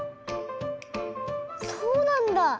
そうなんだ！